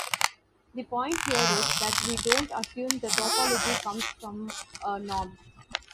The point here is that we don't assume the topology comes from a norm.